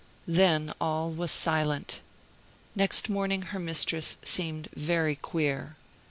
Then all was silent. Next morning her mistress seemed "very queer."